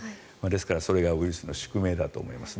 ですから、それがウイルスの宿命だと思います。